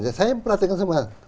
saya yang diperhatikan semua